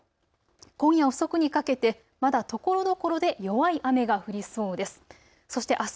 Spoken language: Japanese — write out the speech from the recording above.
今夜遅くにかけてまだところどころで弱い雨が降りそうです。